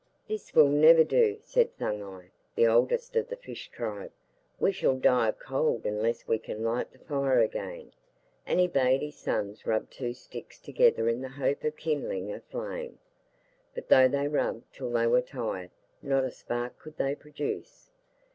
'This will never do,' said Thuggai, the oldest of the fish tribe. 'We shall die of cold unless we can light the fire again,' and he bade his sons rub two sticks together in the hope of kindling a flame, but though they rubbed till they were tired, not a spark could they produce.